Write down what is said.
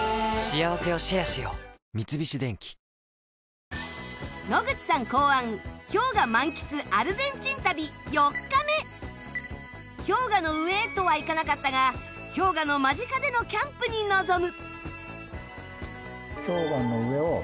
三菱電機氷河の上とはいかなかったが氷河の間近でのキャンプに臨む。